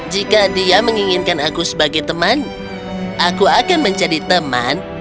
jika dia menginginkan aku sebagai teman aku akan menjadi teman